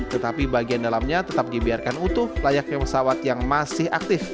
tetapi bagian dalamnya tetap dibiarkan utuh layaknya pesawat yang masih aktif